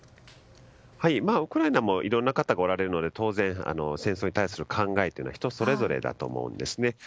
ウクライナもいろいろな方がおられるので当然、戦争に対する考えは人それぞれだと思うんですね。